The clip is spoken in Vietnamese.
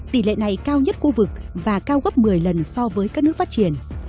tỷ lệ này cao nhất khu vực và cao gấp một mươi lần so với các nước phát triển